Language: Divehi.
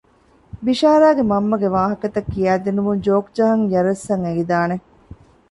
ބިޝާރާގެ މަންމަގެ ވާހަކަތައް ކިޔައިދިނުމުން ޖޯކް ޖަހަން ޔަރަސް އަށް އެނގިދާނެ